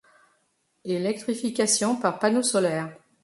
Electrification par panneaux solaires.